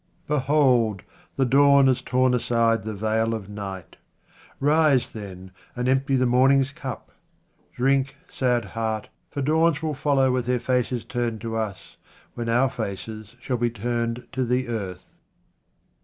BEHOLD, the dawn has torn aside the veil of night. Rise, then, and empty the morning's cup. Drink, sad heart, for dawns will follow with their faces turned to us when our faces shall be turned to the earth.